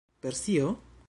Persio?